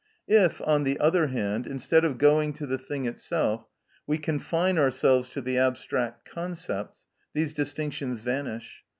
If, on the other hand, instead of going to the thing itself, we confine ourselves to the abstract concepts, these distinctions vanish.